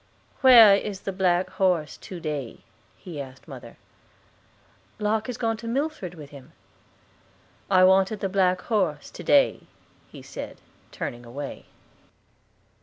"Where is the black horse to day?" he asked mother. "Locke has gone to Milford with him." "I wanted the black horse to day," he said, turning away.